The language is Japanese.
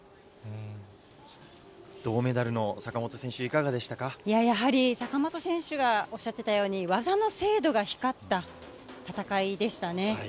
銅メダルの坂本選手、いかがやはり坂本選手がおっしゃっていたように、技の精度が光った戦いでしたね。